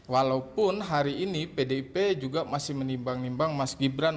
walaupun hari ini pdip juga masih menimbang nimbang mas gibran